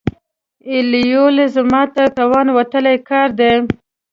ایېلول زما تر توان وتلی کار دی.